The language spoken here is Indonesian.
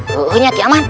ke e nya ti aman